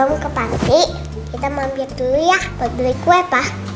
pak sebelum ke panti kita mampir dulu ya buat beli kue pak